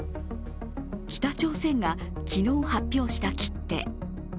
北朝鮮が昨日発表した切手。